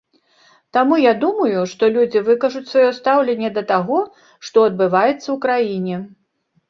Таму я думаю, што людзі выкажуць сваё стаўленне да таго, што адбываецца ў краіне.